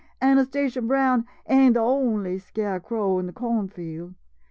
Anastasia Brown ain' de only scarecrow in de corn field!